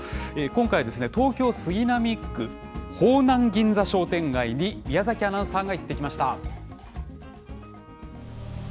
今回、東京・杉並区方南銀座商店街に宮崎アナウンサーが行ってきました。